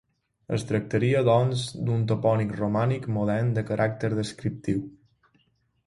Es tractaria, doncs, d'un topònim romànic modern de caràcter descriptiu.